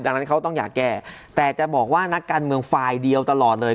ดังนั้นเขาต้องอยากแก้แต่จะบอกว่านักการเมืองฝ่ายเดียวตลอดเลย